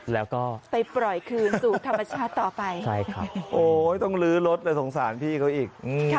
แล้วก็ไปปล่อยคืนสู่ธรรมชาติต่อไปใช่ครับโอ้ยต้องลื้อรถเลยสงสารพี่เขาอีก